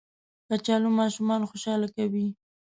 کچالو ماشومان خوشحاله کوي